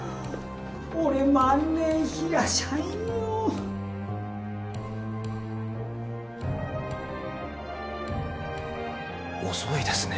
俺万年平社員よ遅いですね